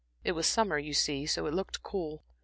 It was summer, you see, so it looked cool.